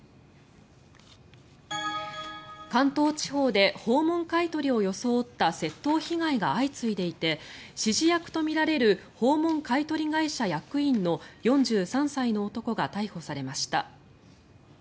関東地方で訪問買い取りを装った窃盗被害が相次いでいて指示役とみられる訪問買い取り会社役員の４３歳の男が逮捕されました。